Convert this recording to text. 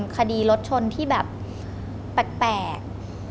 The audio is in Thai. คดีรถชนที่แบบแปลก